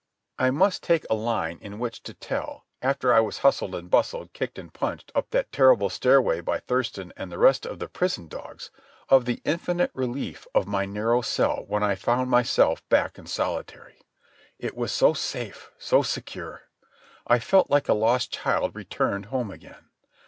I must take a line in which to tell, after I was hustled and bustled, kicked and punched, up that terrible stairway by Thurston and the rest of the prison dogs, of the infinite relief of my narrow cell when I found myself back in solitary. It was all so safe, so secure. I felt like a lost child returned home again.